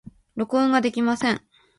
録音ができません。